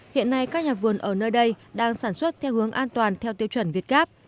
hiện nay các nhà vườn ở nơi đây đang sản xuất theo hướng an toàn theo tiêu chuẩn việt gáp